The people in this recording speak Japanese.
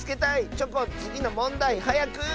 チョコンつぎのもんだいはやく！